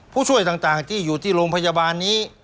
ผู้ช่วยต่างที่อยู่ที่โรงพยาบาลนี้